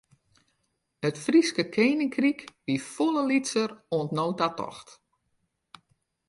It Fryske keninkryk wie folle lytser as oant no ta tocht.